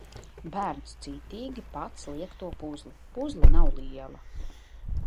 Bērns cītīgi pats liek to puzli. Puzle nav liela.